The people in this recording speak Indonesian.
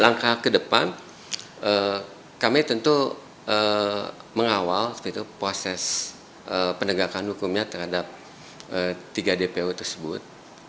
langkah ke depan kami tentu mengawal proses penegakan hukumnya terhadap tiga dpo tersebut